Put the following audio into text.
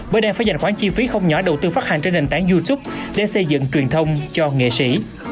bởi đây phải dành khoản chi phí không nhỏ đầu tư phát hành trên nền tảng youtube để xây dựng truyền thông cho nghệ sĩ